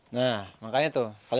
nah makanya tuh kalian aja